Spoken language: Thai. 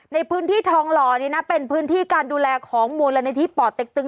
ในพื้นที่ทองหล่อนี้นะเป็นพื้นที่การดูแลของมูลนิธิป่อเต็กตึง